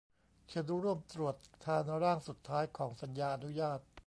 เชิญร่วมตรวจทานร่างสุดท้ายของสัญญาอนุญาต